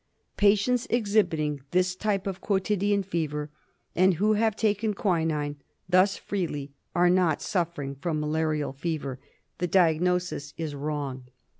Patients exhibiting this type of quotidian fever and who have taken quinine thus freely are not suffering from malarial fever. The diagnosis is wrong.